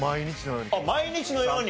あっ毎日のように？